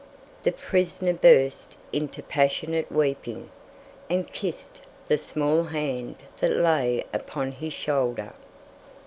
The prisoner burst into passionate weeping, and kissed the small hand that lay upon his shoulder.